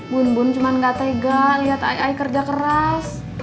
bun bun cuma gak tega liat ay ay kerja keras